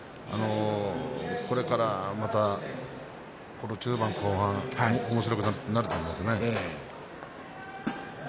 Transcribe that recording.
これから中盤後半おもしろくなると思いますね。